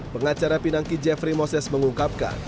pengacara pinangki jeffrey moses mengungkapkan